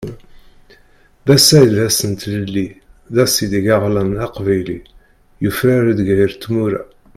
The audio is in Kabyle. D ass-a i d ass n tlelli, d ass ideg aɣlan aqbayli, yufrar-d ger tmura.